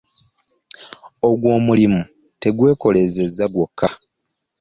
Ogwo omulimu tegwekoleezezza gwokka.